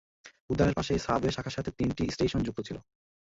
উদ্যানের পাশে এই সাবওয়ে শাখার সাথে তিনটি স্টেশন যুক্ত ছিল।